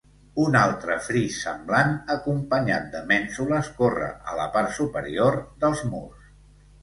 Un altre fris semblant acompanyat de mènsules corre a la part superior dels murs.